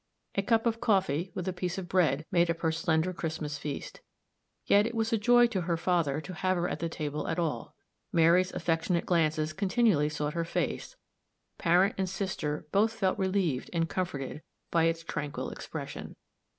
A cup of coffee, with a piece of bread, made up her slender Christmas feast. Yet it was a joy to her father to have her at the table at all. Mary's affectionate glances continually sought her face; parent and sister both felt relieved and comforted by its tranquil expression.